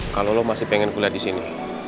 kalau lo masih pengen kuliah disini